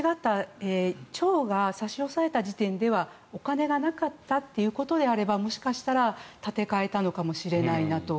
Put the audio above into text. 先ほどお話があった町が差し押さえた時点ではお金がなかったということであればもしかしたら立て替えたのかもしれないなと。